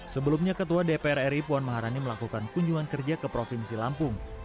sebelumnya ketua dpr ri puan maharani melakukan kunjungan kerja ke provinsi lampung